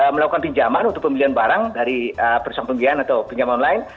melakukan pinjaman untuk pembelian barang dari perusahaan pembiayaan atau pinjaman online